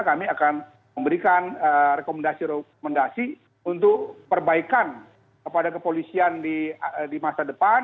kami akan memberikan rekomendasi rekomendasi untuk perbaikan kepada kepolisian di masa depan